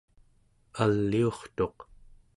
aliurtuq